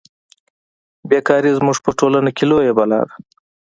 بې کاري زموږ په ټولنه کې لویه بلا ده